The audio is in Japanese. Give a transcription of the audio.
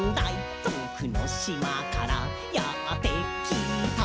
「遠くの島からやってきた」